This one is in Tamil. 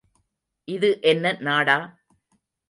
இது என்ன நாடா?